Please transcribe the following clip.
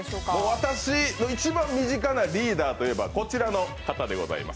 私の一番身近なリーダーといえば、こちらの方でございます。